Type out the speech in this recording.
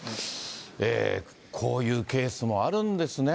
こういうケースもあるんですね。